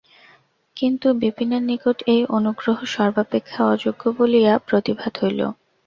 কিন্তু বিপিনের নিকট এই অনুগ্রহ সর্বাপেক্ষা অযোগ্য বলিয়া প্রতিভাত হইল।